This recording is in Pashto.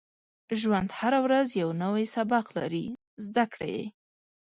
• ژوند هره ورځ یو نوی سبق لري، زده کړه یې.